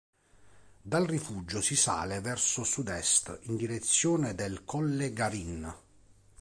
Dal rifugio si sale verso sud-est in direzione del "Colle Garin".